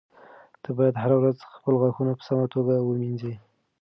ته باید هره ورځ خپل غاښونه په سمه توګه ومینځې.